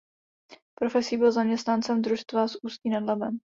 Profesí byl zaměstnancem družstva z Ústí nad Labem.